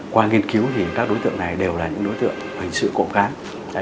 qua nghiên cứu các đối tượng này đều là những đối tượng hình sự cộng kháng